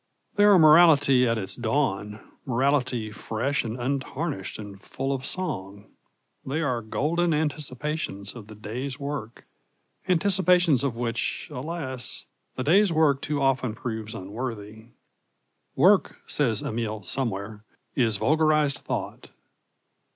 They are morality at its dawn morality fresh and untarnished and full of song. They are golden anticipations of the day's work anticipations of which, alas! the day's work too often proves unworthy. Work, says Amiel somewhere, is vulgarised thought.